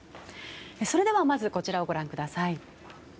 それではまずこちらをご覧ください。